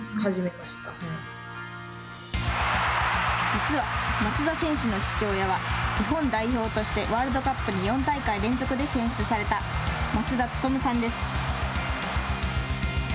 実は松田選手の父親は日本代表としてワールドカップに４大会連続で選出された松田努さんです。